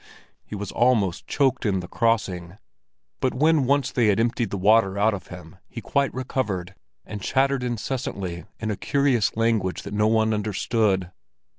He was almost choked in the crossing, but when once they had emptied the water out of him he quite recovered and chattered incessantly in a curious language that no one understood.